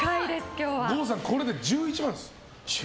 郷さん、これで１１万です。